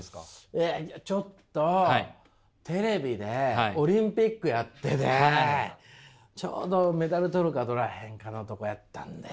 ちょっとテレビでオリンピックやっててちょうどメダル取るか取らへんかのとこやったんで。